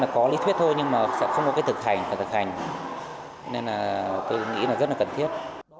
có lý thuyết thôi nhưng không có thực hành nên tôi nghĩ rất cần thiết